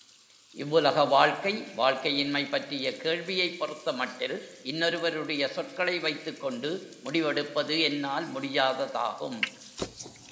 இவ்வுலகில் வாழ்க்கை, வாழ்க்கையின்மை பற்றிய கேள்வியைப் பொறுத்தமட்டில் இன்னொருவருடைய சொற்களை வைத்துக்கொண்டு முடிவெடுப்பது என்னால் முடியாததாகும்.